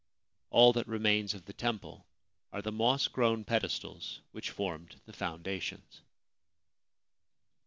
All that remains of the temple are the moss grown pedestals which formed the foundations.